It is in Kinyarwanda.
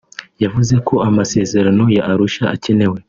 yavuze ko amasezerano ya Arusha akenewe